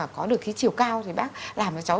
có được cái chiều cao thì bác làm cho cháu